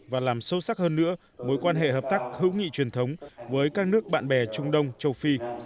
và làm sâu sắc hơn nữa mối quan hệ hợp tác hữu nghị truyền thống với các nước bạn bè trung đông châu phi